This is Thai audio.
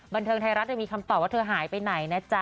บันเทิงไทยรัฐมีคำตอบว่าเธอหายไปไหนนะจ๊ะ